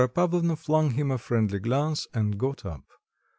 Varvara flung him a friendly glance and got up.